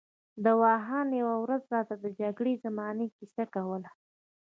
دوا خان یوه ورځ راته د جګړې د زمانې کیسه کوله.